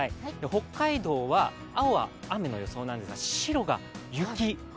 北海道は青は雨の予想ですが、白が雪。